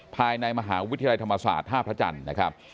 ภายในมหาวิทยาลัยธรรมศาสตร์ท่าพระจันทร์นะครับ